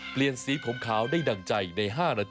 ไม่ต้องอ่านแล้วมั้งค่ะบอกไปหมดแล้ว